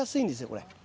これ。